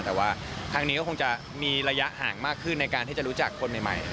แต่ว่าทางนี้ก็คงจะมีระยะห่างมากขึ้นในการที่จะรู้จักคนใหม่